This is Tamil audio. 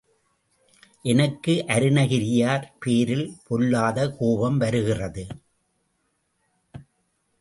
எனக்கு அருணகிரியார் பேரில் பொல்லாத் கோபம் வருகிறது.